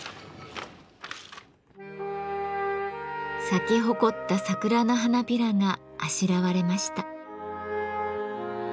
咲き誇った桜の花びらがあしらわれました。